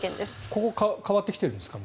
ここは変わってきているんですか？